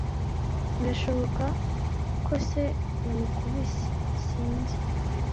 Birashoboka ko se yamukubise - Sinzi.